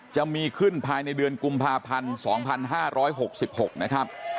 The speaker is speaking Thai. จะมีขึ้นภายในเดือนกุมภาพันธ์๒๕๖๖นะครับ